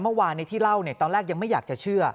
เมื่อวานที่เล่าเนี่ยตอนแรกยังไม่อยากจะเชื่อ